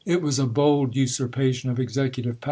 was a bold usm'pation of executive power.